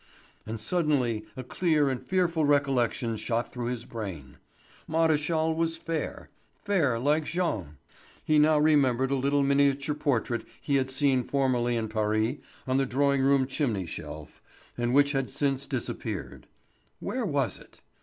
And suddenly a clear and fearful recollection shot through his brain. Maréchal was fair—fair like Jean. He now remembered a little miniature portrait he had seen formerly in Paris, on the drawing room chimney shelf, and which had since disappeared. Where was it?